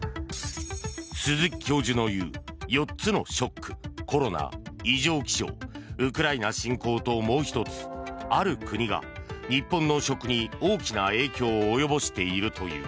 鈴木教授の言う４つのショックコロナ、異常気象ウクライナ侵攻と、もう１つある国が日本の食に大きな影響を及ぼしているという。